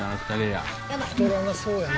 太らなそうやな。